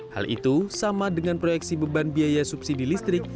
hal itu sama dengan proyeksi beban biaya subsidi listrik